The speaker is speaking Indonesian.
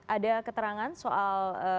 ada keterangan soal